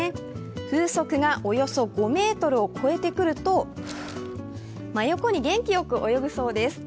風速がおよそ５メートルを超えてくると真横に元気よく泳ぐそうです。